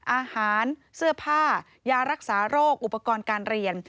อาหารเสื้อผ้ายารักษาโรคอุปกรณ์การเรียน